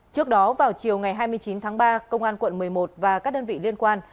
trước đó vào chiều ngày hai mươi chín tháng ba công an quận một mươi một và các đơn vị liên quan